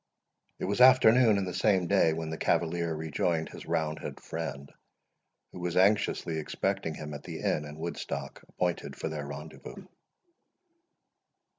It was afternoon in the same day when the cavalier rejoined his round head friend, who was anxiously expecting him at the inn in Woodstock appointed for their rendezvous.